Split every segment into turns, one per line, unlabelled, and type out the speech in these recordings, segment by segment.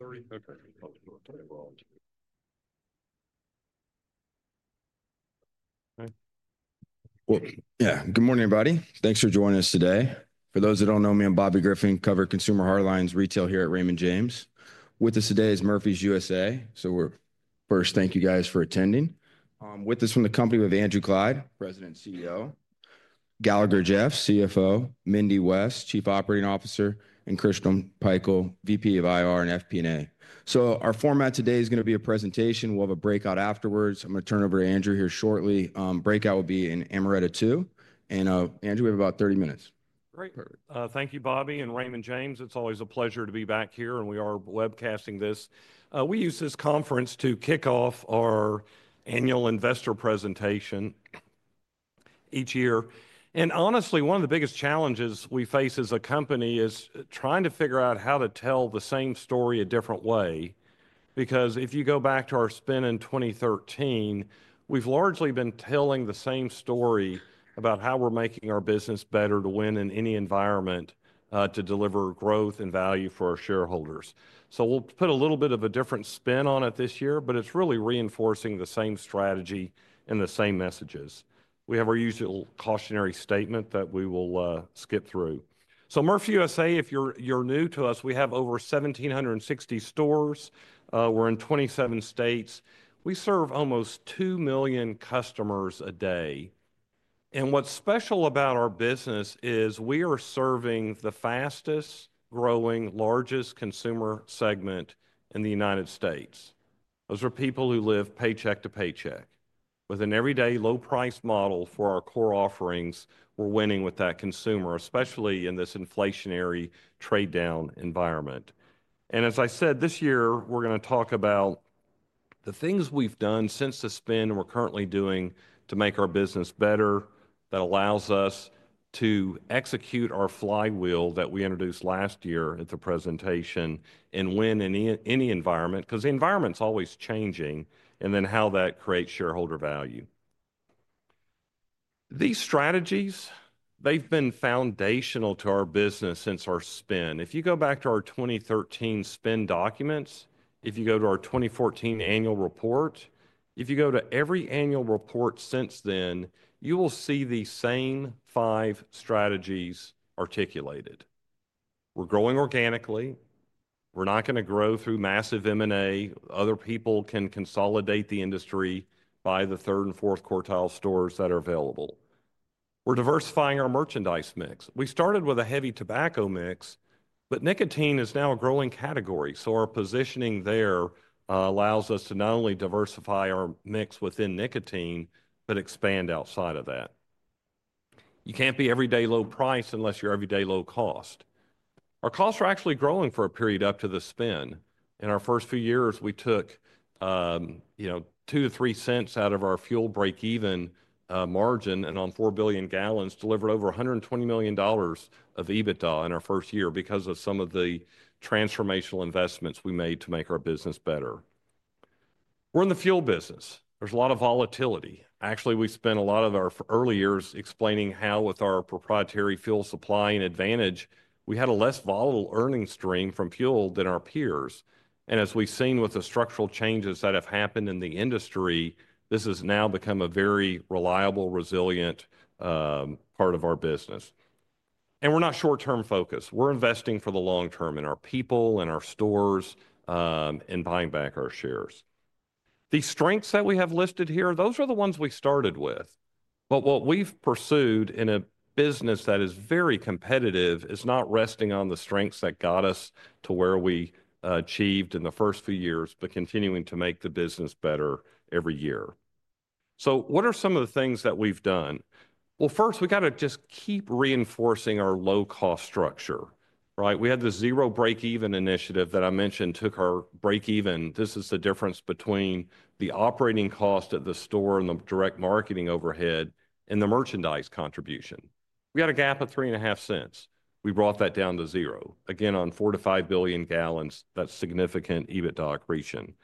Sorry. Okay. Yeah. Good morning, everybody. Thanks for joining us today. For those that don't know me, I'm Bobby Griffin, cover consumer hardlines retail here at Raymond James. With us today is Murphy USA. So we're first, thank you guys for attending. With us from the company with Andrew Clyde, President and CEO, Gallagher Jeff, CFO, Mindy West, Chief Operating Officer, and Christian Pikul, VP of IR and FP&A. So our format today is going to be a presentation. We'll have a breakout afterwards. I'm going to turn over to Andrew here shortly. Breakout will be in Amaretto 2, and Andrew, we have about 30 minutes.
Great. Thank you, Bobby and Raymond James. It's always a pleasure to be back here, and we are webcasting this. We use this conference to kick off our annual investor presentation each year, and honestly, one of the biggest challenges we face as a company is trying to figure out how to tell the same story a different way. Because if you go back to our spin in 2013, we've largely been telling the same story about how we're making our business better to win in any environment, to deliver growth and value for our shareholders, so we'll put a little bit of a different spin on it this year, but it's really reinforcing the same strategy and the same messages. We have our usual cautionary statement that we will skip through, so Murphy USA, if you're new to us, we have over 1,760 stores. We're in 27 states. We serve almost 2 million customers a day. What's special about our business is we are serving the fastest growing, largest consumer segment in the United States. Those are people who live paycheck to paycheck. With an everyday low-priced model for our core offerings, we're winning with that consumer, especially in this inflationary trade-down environment. As I said, this year, we're going to talk about the things we've done since the spin we're currently doing to make our business better that allows us to execute our flywheel that we introduced last year at the presentation and win in any environment, because the environment's always changing, and then how that creates shareholder value. These strategies, they've been foundational to our business since our spin. If you go back to our 2013 spin documents, if you go to our 2014 annual report, if you go to every annual report since then, you will see the same five strategies articulated. We're growing organically. We're not going to grow through massive M&A. Other people can consolidate the industry by the third and fourth quartile stores that are available. We're diversifying our merchandise mix. We started with a heavy tobacco mix, but nicotine is now a growing category. So our positioning there allows us to not only diversify our mix within nicotine, but expand outside of that. You can't be everyday low price unless you're everyday low cost. Our costs are actually growing for a period up to the spin. In our first few years, we took two to three cents out of our fuel break-even margin, and on 4 billion gallons, delivered over $120 million of EBITDA in our first year because of some of the transformational investments we made to make our business better. We're in the fuel business. There's a lot of volatility. Actually, we spent a lot of our early years explaining how with our proprietary fuel supply and advantage, we had a less volatile earnings stream from fuel than our peers. And as we've seen with the structural changes that have happened in the industry, this has now become a very reliable, resilient part of our business. And we're not short-term focused. We're investing for the long term in our people, in our stores, and buying back our shares. The strengths that we have listed here, those are the ones we started with. But what we've pursued in a business that is very competitive is not resting on the strengths that got us to where we achieved in the first few years, but continuing to make the business better every year. So what are some of the things that we've done? Well, first, we got to just keep reinforcing our low-cost structure. We had the zero break-even initiative that I mentioned took our break-even. This is the difference between the operating cost at the store and the direct marketing overhead and the merchandise contribution. We had a gap of 3.5 cents. We brought that down to zero. Again, on 4-5 billion gallons, that's significant EBITDA creation.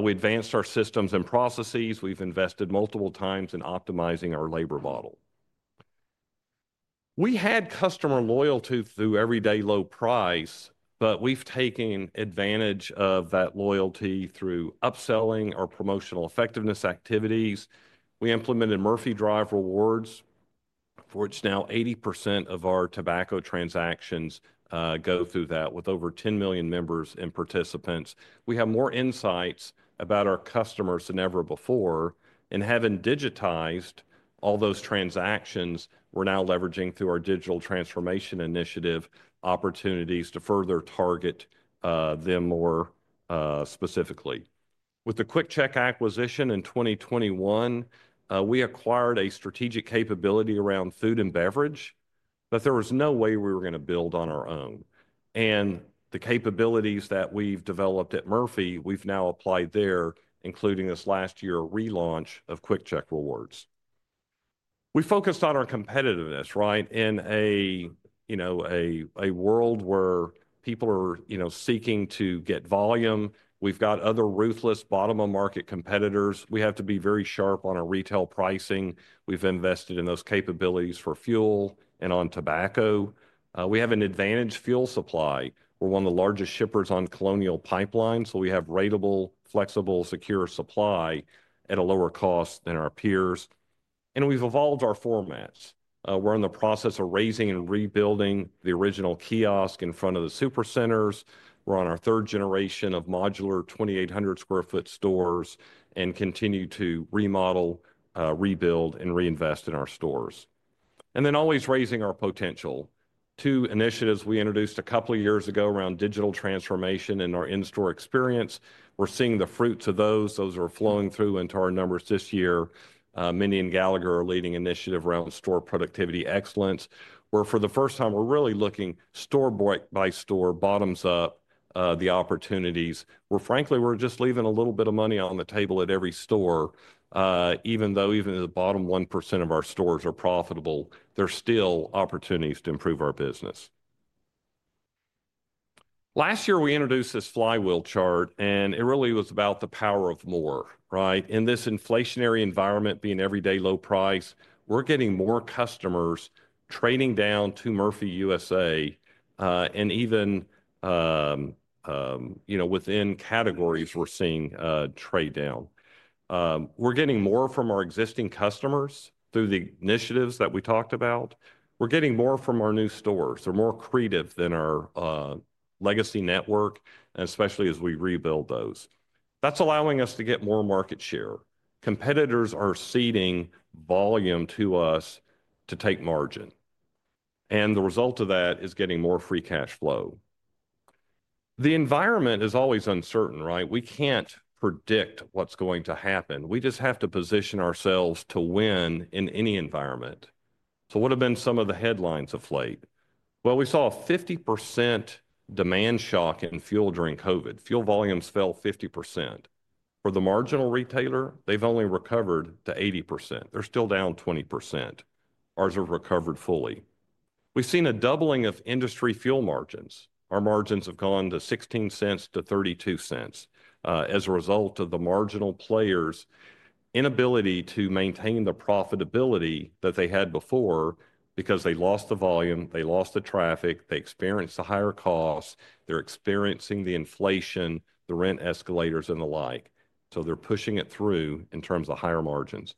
We advanced our systems and processes. We've invested multiple times in optimizing our labor model. We had customer loyalty through everyday low price, but we've taken advantage of that loyalty through upselling or promotional effectiveness activities. We implemented Murphy Drive Rewards, for which now 80% of our tobacco transactions go through that with over 10 million members and participants. We have more insights about our customers than ever before, and having digitized all those transactions, we're now leveraging through our digital transformation initiative opportunities to further target them more specifically. With the QuickChek acquisition in 2021, we acquired a strategic capability around food and beverage, but there was no way we were going to build on our own, and the capabilities that we've developed at Murphy, we've now applied there, including this last year's relaunch of QuickChek Rewards. We focused on our competitiveness in a world where people are seeking to get volume. We've got other ruthless bottom-of-market competitors. We have to be very sharp on our retail pricing. We've invested in those capabilities for fuel and on tobacco. We have an advantage fuel supply. We're one of the largest shippers on Colonial Pipeline, so we have ratable, flexible, secure supply at a lower cost than our peers, and we've evolved our formats. We're in the process of raising and rebuilding the original kiosk in front of the supercenters. We're on our third generation of modular 2,800 sq ft stores and continue to remodel, rebuild, and reinvest in our stores, and then always raising our potential. Two initiatives we introduced a couple of years ago around digital transformation in our in-store experience. We're seeing the fruits of those. Those are flowing through into our numbers this year. Mindy and Gallagher are leading the initiative around store productivity excellence, where for the first time, we're really looking store by store, bottoms up, at the opportunities. We're frankly just leaving a little bit of money on the table at every store. Even though the bottom 1% of our stores are profitable, there's still opportunities to improve our business. Last year, we introduced this flywheel chart, and it really was about the power of more. In this inflationary environment, being everyday low price, we're getting more customers trading down to Murphy USA, and even within categories, we're seeing trade down. We're getting more from our existing customers through the initiatives that we talked about. We're getting more from our new stores. They're more productive than our legacy network, and especially as we rebuild those. That's allowing us to get more market share. Competitors are ceding volume to us to take margin. And the result of that is getting more free cash flow. The environment is always uncertain. We can't predict what's going to happen. We just have to position ourselves to win in any environment. So what have been some of the headlines of late? Well, we saw a 50% demand shock in fuel during COVID. Fuel volumes fell 50%. For the marginal retailer, they've only recovered to 80%. They're still down 20%. Ours have recovered fully. We've seen a doubling of industry fuel margins. Our margins have gone to $0.16-$0.32 as a result of the marginal players' inability to maintain the profitability that they had before because they lost the volume, they lost the traffic, they experienced the higher costs, they're experiencing the inflation, the rent escalators, and the like. They're pushing it through in terms of higher margins.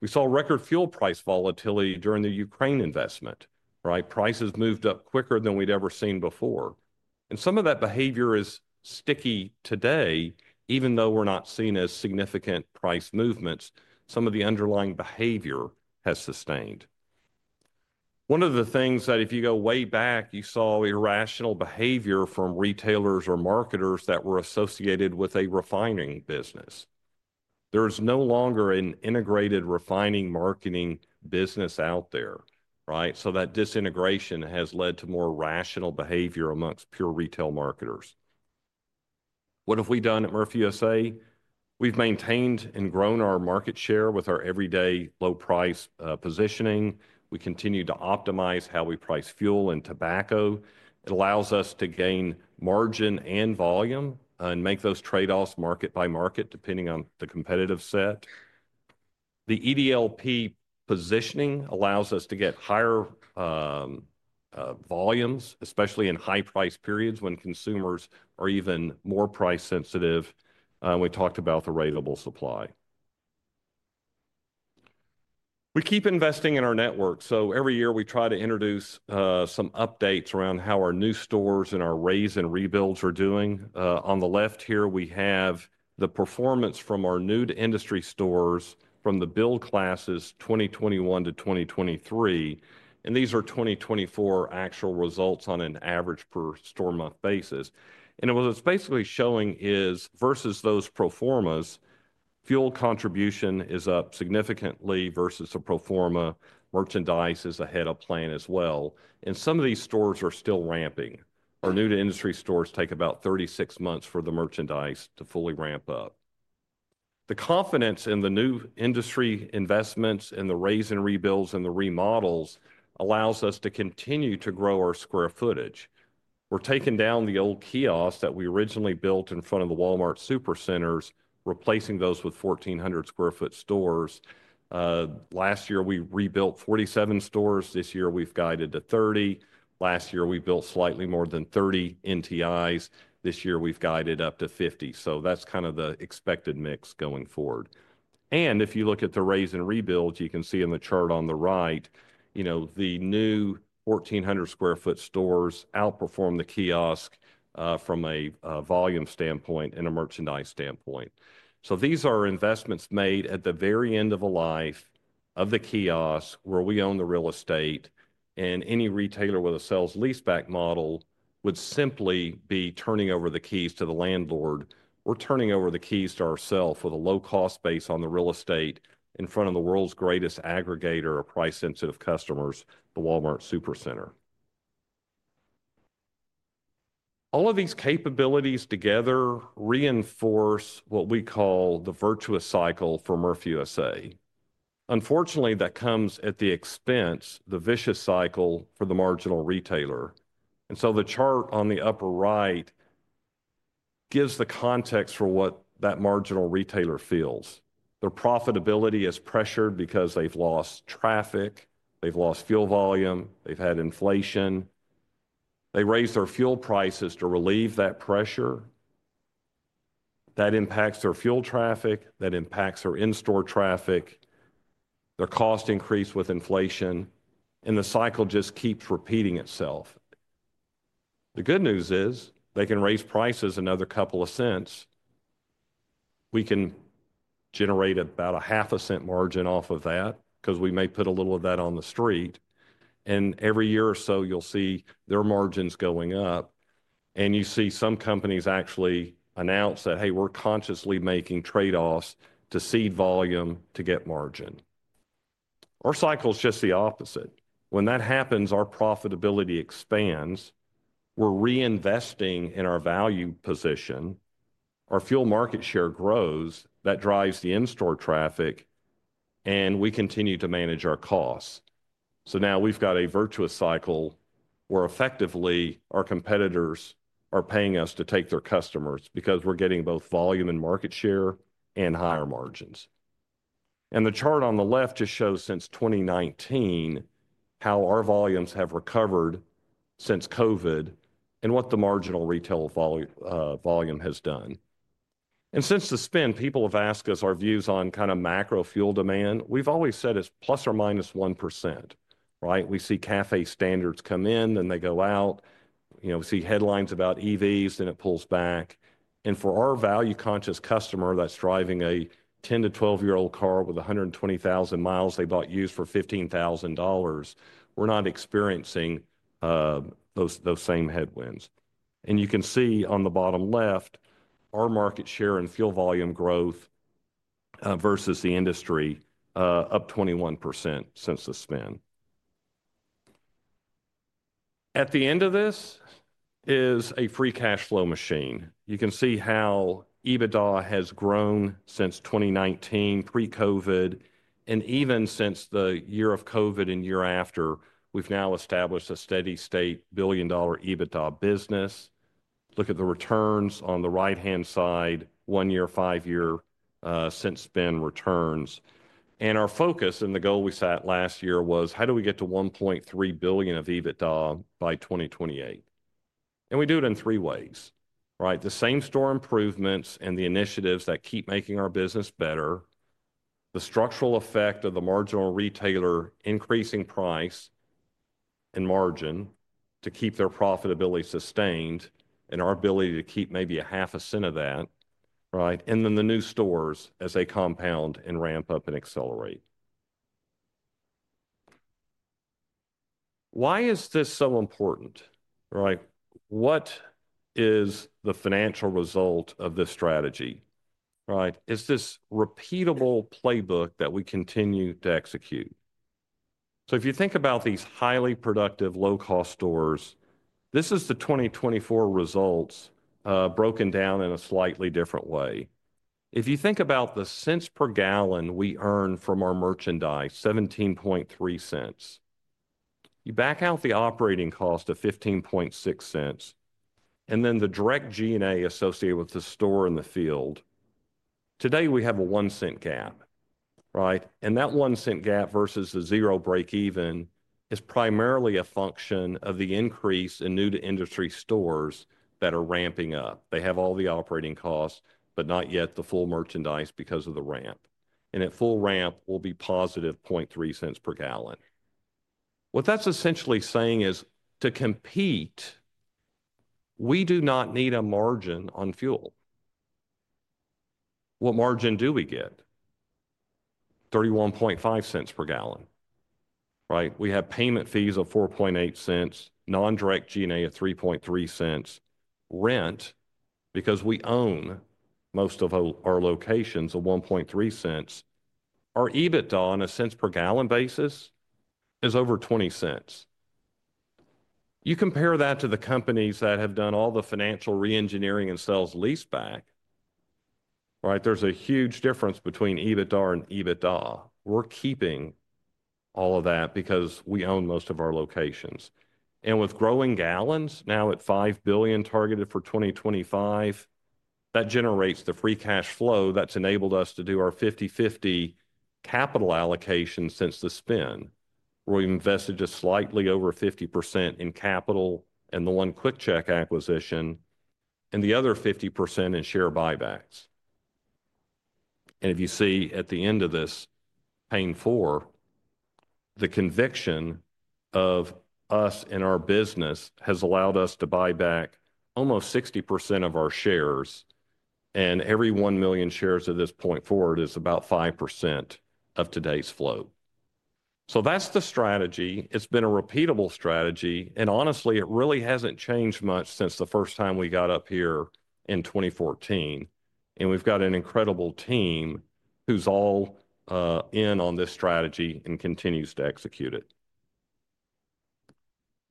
We saw record fuel price volatility during the Ukraine invasion. Prices moved up quicker than we'd ever seen before. And some of that behavior is sticky today, even though we're not seeing as significant price movements. Some of the underlying behavior has sustained. One of the things that, if you go way back, you saw irrational behavior from retailers or marketers that were associated with a refining business. There is no longer an integrated refining marketing business out there. So that disintegration has led to more rational behavior amongst pure retail marketers. What have we done at Murphy USA? We've maintained and grown our market share with our everyday low price positioning. We continue to optimize how we price fuel and tobacco. It allows us to gain margin and volume and make those trade-offs market by market, depending on the competitive set. The EDLP positioning allows us to get higher volumes, especially in high price periods when consumers are even more price sensitive. We talked about the ratable supply. We keep investing in our network, so every year, we try to introduce some updates around how our new stores and our raise and rebuilds are doing. On the left here, we have the performance from our new-to-industry stores from the build classes 2021 to 2023, and these are 2024 actual results on an average per store month basis, and what it's basically showing is versus those pro formas, fuel contribution is up significantly versus the pro forma. Merchandise is ahead of plan as well, and some of these stores are still ramping. Our new industry stores take about 36 months for the merchandise to fully ramp up. The confidence in the new industry investments and the raise and rebuilds and the remodels allows us to continue to grow our square footage. We're taking down the old kiosks that we originally built in front of the Walmart Supercenters, replacing those with 1,400 sq ft stores. Last year, we rebuilt 47 stores. This year, we've guided to 30. Last year, we built slightly more than 30 NTIs. This year, we've guided up to 50. So that's kind of the expected mix going forward, and if you look at the raise and rebuilds, you can see in the chart on the right, the new 1,400 sq ft stores outperform the kiosk from a volume standpoint and a merchandise standpoint. These are investments made at the very end of a life of the kiosk where we own the real estate. Any retailer with a sales leaseback model would simply be turning over the keys to the landlord or turning over the keys to ourselves with a low cost base on the real estate in front of the world's greatest aggregator of price-sensitive customers, the Walmart Supercenter. All of these capabilities together reinforce what we call the virtuous cycle for Murphy USA. Unfortunately, that comes at the expense, the vicious cycle for the marginal retailer. The chart on the upper right gives the context for what that marginal retailer feels. Their profitability is pressured because they've lost traffic, they've lost fuel volume, they've had inflation. They raise their fuel prices to relieve that pressure. That impacts their fuel traffic, that impacts their in-store traffic, their cost increase with inflation, and the cycle just keeps repeating itself. The good news is they can raise prices another couple of cents. We can generate about $0.005 margin off of that because we may put a little of that on the street, and every year or so, you'll see their margins going up. And you see some companies actually announce that, "Hey, we're consciously making trade-offs to seed volume to get margin." Our cycle is just the opposite. When that happens, our profitability expands. We're reinvesting in our value position. Our fuel market share grows. That drives the in-store traffic, and we continue to manage our costs. So now we've got a virtuous cycle where effectively our competitors are paying us to take their customers because we're getting both volume and market share and higher margins. And the chart on the left just shows since 2019 how our volumes have recovered since COVID and what the marginal retail volume has done. And since the spin, people have asked us our views on kind of macro fuel demand. We've always said it's ±1%. We see CAFE standards come in, then they go out. We see headlines about EVs, then it pulls back. And for our value-conscious customer that's driving a 10- to-12 yearold car with 120,000 miles they bought used for $15,000, we're not experiencing those same headwinds. And you can see on the bottom left, our market share and fuel volume growth versus the industry up 21% since the spin. At the end of this is a free cash flow machine. You can see how EBITDA has grown since 2019, pre-COVID, and even since the year of COVID and year after. We've now established a steady state billion-dollar EBITDA business. Look at the returns on the right-hand side, one-year, five-year since-spin returns. Our focus and the goal we set last year was, how do we get to $1.3 billion of EBITDA by 2028? We do it in three ways. The same store improvements and the initiatives that keep making our business better, the structural effect of the marginal retailer increasing price and margin to keep their profitability sustained, and our ability to keep maybe $0.005 of that. Then the new stores as they compound and ramp up and accelerate. Why is this so important? What is the financial result of this strategy? It's this repeatable playbook that we continue to execute. So if you think about these highly productive, low-cost stores, this is the 2024 results broken down in a slightly different way. If you think about the cents per gallon we earn from our merchandise, 17.3 cents, you back out the operating cost of 15.6 cents, and then the direct G&A associated with the store in the field, today we have a one-cent gap. And that one-cent gap versus the zero break-even is primarily a function of the increase in new-to-industry stores that are ramping up. They have all the operating costs, but not yet the full merchandise because of the ramp. And at full ramp, we'll be +0.3 cents per gallon. What that's essentially saying is to compete, we do not need a margin on fuel. What margin do we get? 31.5 cents per gallon. We have payment fees of 4.8 cents, non-direct G&A of 3.3 cents, rent because we own most of our locations of 1.3 cents. Our EBITDA on a cents per gallon basis is over 20 cents. You compare that to the companies that have done all the financial reengineering and sales leaseback. There's a huge difference between EBITDAR and EBITDA. We're keeping all of that because we own most of our locations. With growing gallons now at 5 billion targeted for 2025, that generates the free cash flow that's enabled us to do our 50/50 capital allocation since the spin, where we've invested just slightly over 50% in capital and the one QuickChek acquisition, and the other 50% in share buybacks. If you see at the end of this page four, the conviction of us and our business has allowed us to buy back almost 60% of our shares. Every one million shares at this point forward is about 5% of today's float. So that's the strategy. It's been a repeatable strategy. Honestly, it really hasn't changed much since the first time we got up here in 2014. We've got an incredible team who's all in on this strategy and continues to execute it.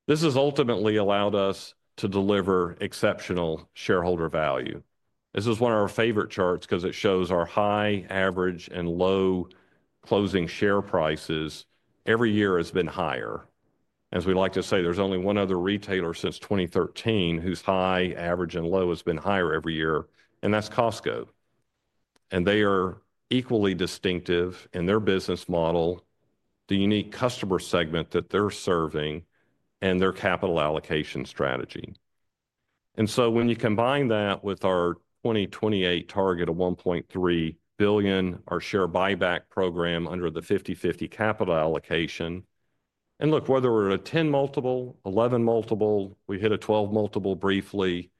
This has ultimately allowed us to deliver exceptional shareholder value. This is one of our favorite charts because it shows our high, average, and low closing share prices every year has been higher. As we like to say, there's only one other retailer since 2013 whose high, average, and low has been higher every year, and that's Costco. And they are equally distinctive in their business model, the unique customer segment that they're serving, and their capital allocation strategy. And so when you combine that with our 2028 target of 1.3 billion, our share buyback program under the 50/50 capital allocation, and look, whether we're at a 10 multiple, 11 multiple, we hit a 12 multiple briefly,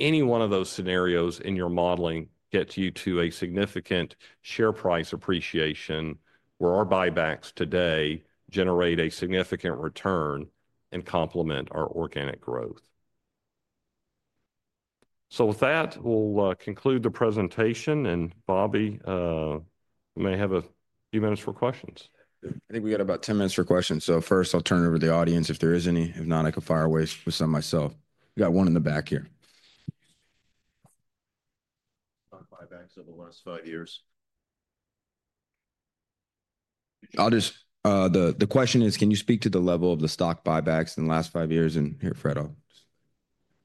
any one of those scenarios in your modeling gets you to a significant share price appreciation where our buybacks today generate a significant return and complement our organic growth. So with that, we'll conclude the presentation. And Bobby, we may have a few minutes for questions.
I think we got about 10 minutes for questions. So first, I'll turn it over to the audience if there is any. If not, I can fire away with some myself. We got one in the back here. Stock buybacks over the last five years? The question is, can you speak to the level of the stock buybacks in the last five years? And here.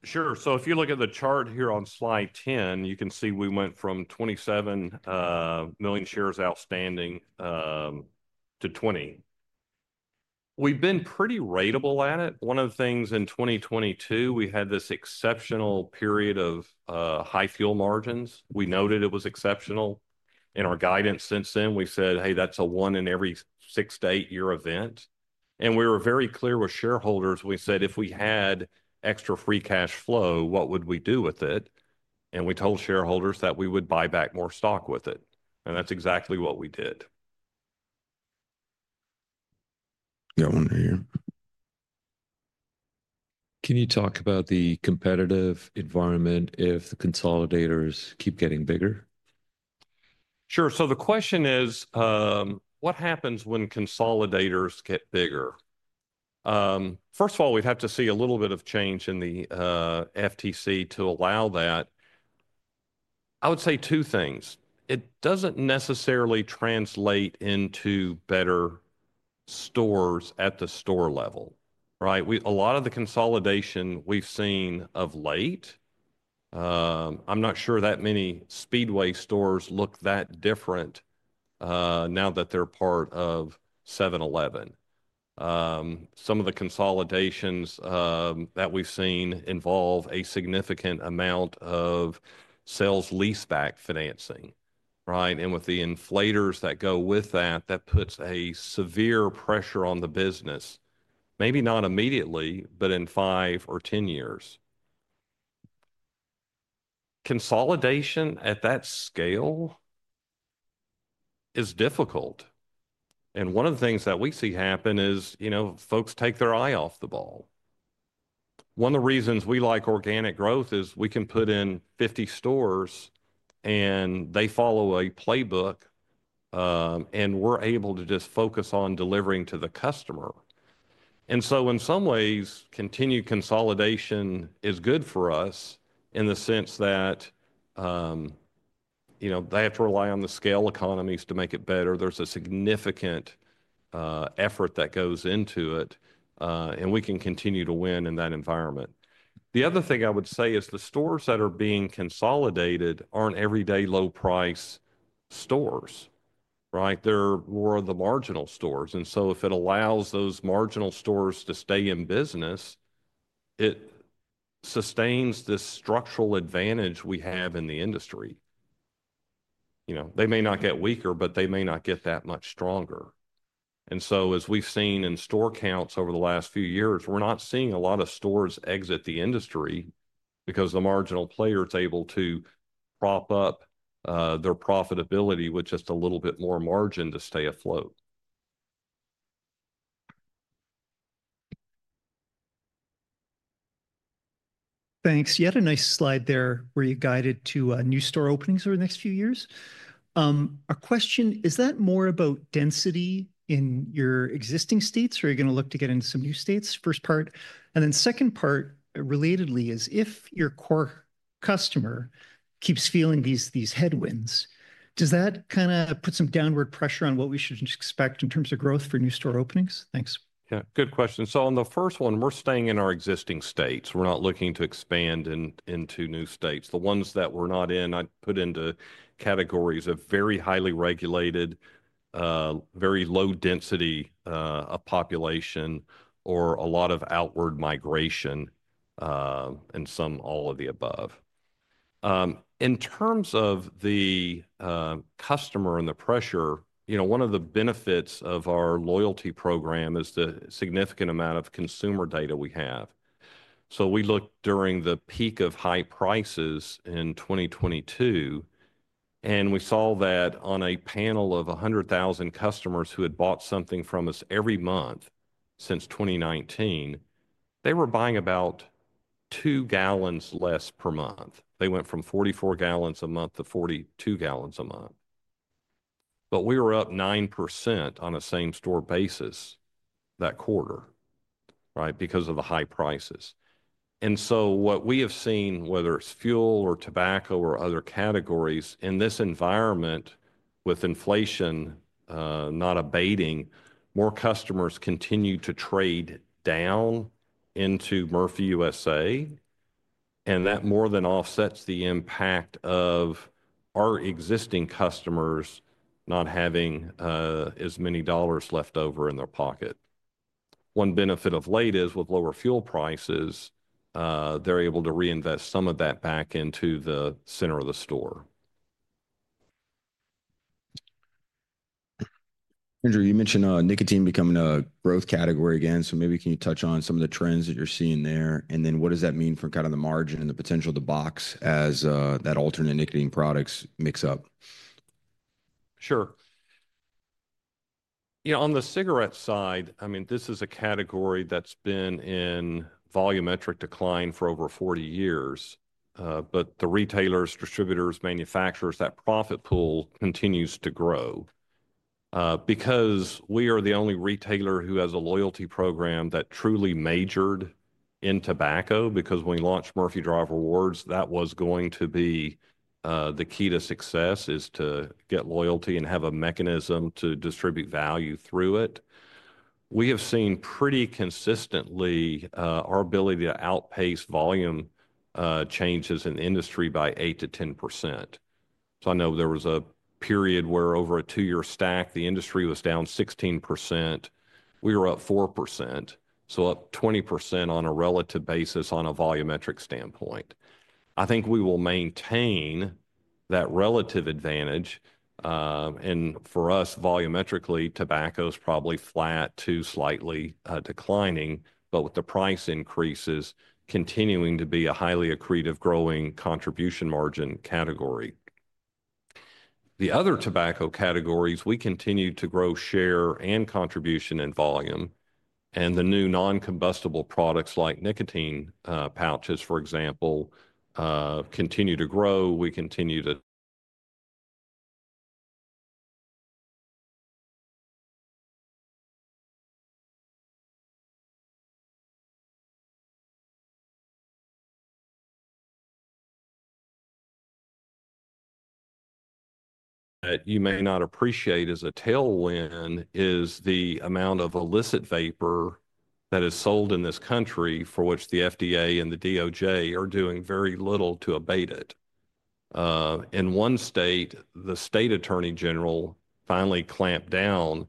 Sure. If you look at the chart here on slide 10, you can see we went from 27 million shares outstanding to 20. We've been pretty ratable at it. One of the things in 2022, we had this exceptional period of high fuel margins. We noted it was exceptional. In our guidance since then, we said, "Hey, that's a one in every six-to-eight-year event." And we were very clear with shareholders. We said, "If we had extra free cash flow, what would we do with it?" And we told shareholders that we would buy back more stock with it. And that's exactly what we did. Got one here. Can you talk about the competitive environment if the consolidators keep getting bigger? Sure. So the question is, what happens when consolidators get bigger? First of all, we'd have to see a little bit of change in the FTC to allow that. I would say two things. It doesn't necessarily translate into better stores at the store level. A lot of the consolidation we've seen of late, I'm not sure that many Speedway stores look that different now that they're part of 7-Eleven. Some of the consolidations that we've seen involve a significant amount of sales leaseback financing. And with the inflators that go with that, that puts a severe pressure on the business, maybe not immediately, but in five or ten years. Consolidation at that scale is difficult. And one of the things that we see happen is folks take their eye off the ball. One of the reasons we like organic growth is we can put in 50 stores and they follow a playbook and we're able to just focus on delivering to the customer. And so in some ways, continued consolidation is good for us in the sense that they have to rely on the scale economies to make it better. There's a significant effort that goes into it. And we can continue to win in that environment. The other thing I would say is the stores that are being consolidated aren't everyday low-price stores. They're more of the marginal stores. And so if it allows those marginal stores to stay in business, it sustains this structural advantage we have in the industry. They may not get weaker, but they may not get that much stronger. As we've seen in store counts over the last few years, we're not seeing a lot of stores exit the industry because the marginal player is able to prop up their profitability with just a little bit more margin to stay afloat. Thanks. You had a nice slide there where you guided to new store openings over the next few years. Our question, is that more about density in your existing states or are you going to look to get into some new states? First part. And then second part relatedly is if your core customer keeps feeling these headwinds, does that kind of put some downward pressure on what we should expect in terms of growth for new store openings? Thanks. Yeah, good question. So on the first one, we're staying in our existing states. We're not looking to expand into new states. The ones that we're not in, I put into categories of very highly regulated, very low-density population or a lot of outward migration and some all of the above. In terms of the customer and the pressure, one of the benefits of our loyalty program is the significant amount of consumer data we have. So we looked during the peak of high prices in 2022, and we saw that on a panel of 100,000 customers who had bought something from us every month since 2019, they were buying about two gallons less per month. They went from 44 gallons a month to 42 gallons a month. But we were up 9% on a same-store basis that quarter because of the high prices. What we have seen, whether it's fuel or tobacco or other categories, in this environment with inflation not abating, more customers continue to trade down into Murphy USA. That more than offsets the impact of our existing customers not having as many dollars left over in their pocket. One benefit of late is with lower fuel prices, they're able to reinvest some of that back into the center of the store.
Andrew, you mentioned nicotine becoming a growth category again. So maybe can you touch on some of the trends that you're seeing there? And then what does that mean for kind of the margin and the potential of the box as that alternate nicotine products mix up?
Sure. On the cigarette side, I mean, this is a category that's been in volumetric decline for over 40 years. But the retailers, distributors, manufacturers, that profit pool continues to grow. Because we are the only retailer who has a loyalty program that truly majored in tobacco, because when we launched Murphy Drive Rewards, that was going to be the key to success is to get loyalty and have a mechanism to distribute value through it. We have seen pretty consistently our ability to outpace volume changes in industry by 8%-10%. So I know there was a period where over a two-year stack, the industry was down 16%. We were up 4%. So up 20% on a relative basis on a volumetric standpoint. I think we will maintain that relative advantage. For us, volumetrically, tobacco is probably flat to slightly declining, but with the price increases, continuing to be a highly accretive growing contribution margin category. The other tobacco categories, we continue to grow share and contribution and volume. The new noncombustible products like nicotine pouches, for example, continue to grow. That you may not appreciate as a tailwind is the amount of illicit vapor that is sold in this country for which the FDA and the DOJ are doing very little to abate it. In one state, the state attorney general finally clamped down,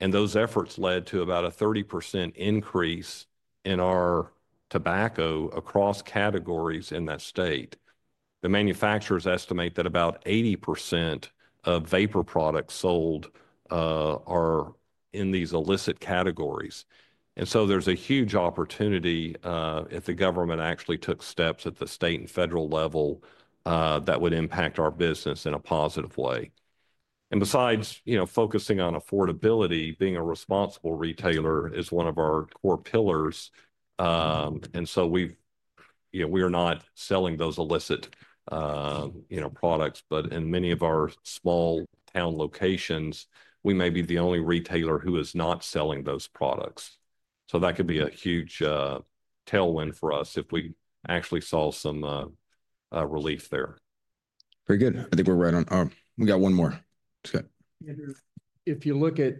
and those efforts led to about a 30% increase in our tobacco across categories in that state. The manufacturers estimate that about 80% of vapor products sold are in these illicit categories. And so there's a huge opportunity if the government actually took steps at the state and federal level that would impact our business in a positive way. And besides focusing on affordability, being a responsible retailer is one of our core pillars. And so we're not selling those illicit products, but in many of our small town locations, we may be the only retailer who is not selling those products. So that could be a huge tailwind for us if we actually saw some relief there.
Very good. I think we're right on. We got one more. Scott. If you look at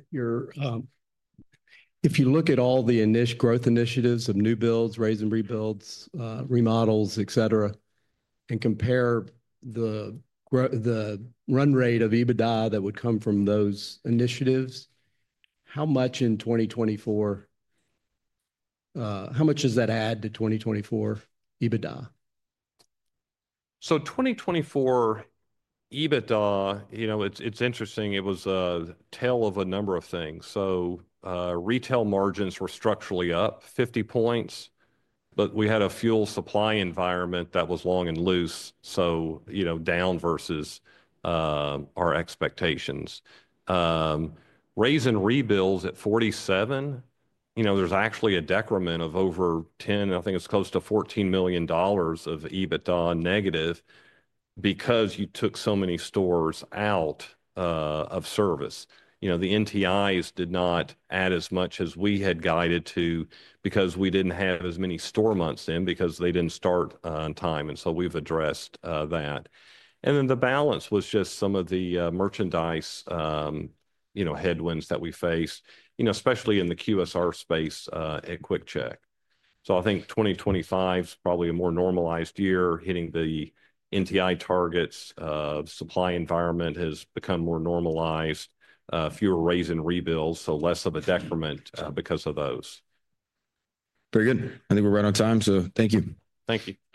all the growth initiatives of new builds, raise and rebuilds, remodels, etc., and compare the run rate of EBITDA that would come from those initiatives, how much does that add to 2024 EBITDA?
So 2024 EBITDA, it's interesting. It was a tale of a number of things. So retail margins were structurally up 50 points, but we had a fuel supply environment that was long and loose, so down versus our expectations. Raise and rebuilds at 47, there's actually a decrement of over 10, I think it's close to $14 million of EBITDA negative because you took so many stores out of service. The NTIs did not add as much as we had guided to because we didn't have as many store months in because they didn't start on time. And so we've addressed that. And then the balance was just some of the merchandise headwinds that we faced, especially in the QSR space at QuickChek. So I think 2025 is probably a more normalized year. Hitting the NTI targets, supply environment has become more normalized, fewer raise and rebuilds, so less of a decrement because of those.
Very good. I think we're right on time, so thank you.
Thank you.